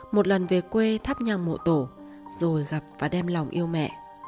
một lần về quê thắp nhang mộ tổ rồi gặp và đem lòng yêu mẹ